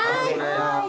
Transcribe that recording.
はい！